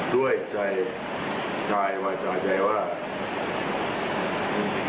ด้วยใจใจว่าจะไม่มีอาการนี้เกิดขึ้น